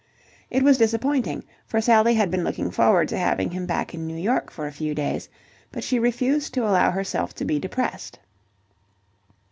It was disappointing, for Sally had been looking forward to having him back in New York in a few days; but she refused to allow herself to be depressed.